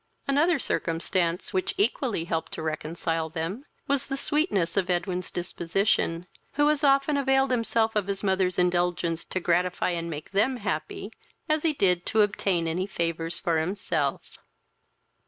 Another circumstance, which equally helped to reconcile them, was the sweetness of Edwin's disposition, who as often availed himself of his mother's indulgence to gratify and make them happy, as he did to obtain any of her favours for himself.